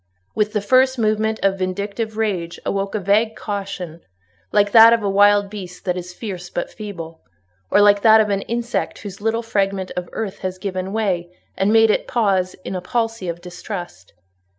With the first movement of vindictive rage awoke a vague caution, like that of a wild beast that is fierce but feeble—or like that of an insect whose little fragment of earth has given way, and made it pause in a palsy of distrust.